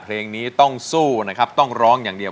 เพลงนี้ต้องสู้นะครับต้องร้องอย่างเดียว